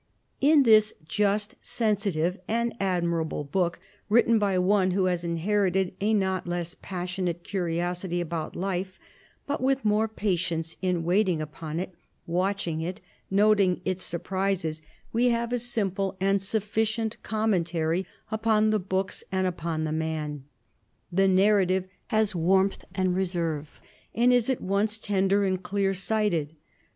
In this just, sensitive, and admirable book, written by one who has inherited a not less passionate curiosity about life, but with more patience in waiting upon it, watching it, noting its surprises, we have a simple and sufficient commentary upon the books and upon the man. The narrative has warmth and reserve, and is at once tender and clear sighted.